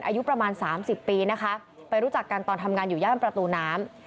อายุประมาณสามสิบปีนะคะไปรู้จักกันตอนทำงานอยู่ย่านประตูน้ำ